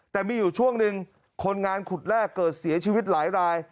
แต่มีอยู่ช่วงหนึ่งคนงานขุดแรกเกิดเสียชีวิตหลายราย